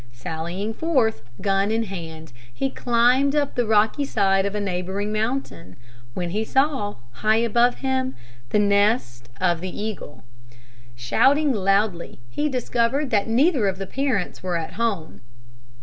Sallying forth, gun in hand, he climbed up the rocky side of a neighbouring mountain, when he saw, high above him, the nest of the eagle. Shouting loudly, he discovered that neither of the parents were at home.